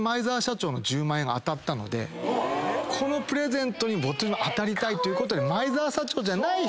このプレゼントに僕も当たりたいということで。